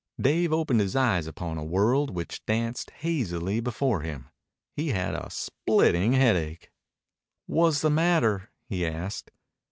Dave opened his eyes upon a world which danced hazily before him. He had a splitting headache. "Wha's the matter?" he asked.